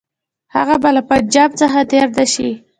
هغه به له پنجاب څخه تېر نه شي.